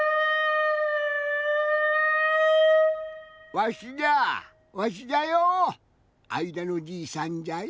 わしじゃわしじゃよ。